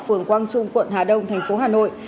phường quang trung quận hà đông thành phố hà nội